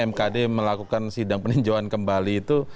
mkd melakukan sidang peninjauan kembali itu